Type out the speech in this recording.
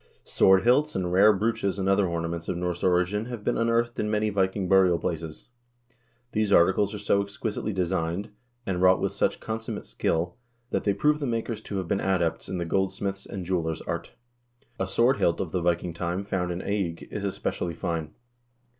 Sword hilts and rare brooches and other ornaments of Norse origin have been unearthed in many Viking burial places. These articles are so exquisitely designed, and wrought with such consummate skill that they prove the makers to have been adepts in the gold smith's and jeweler's art. A sword hilt of the Viking time found in Eigg is especially fine.